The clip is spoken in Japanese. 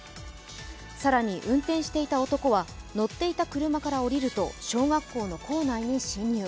更に、運転していた男は乗っていた車から降りると小学校の校内に侵入。